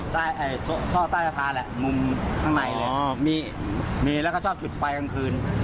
ชอบใต้สะพานแหละมุมข้างในอ๋อมีมีแล้วก็ชอบจุดไฟกลางคืน